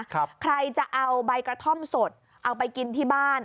ใครจะเอาใบกระท่อมสดเอาไปกินที่บ้าน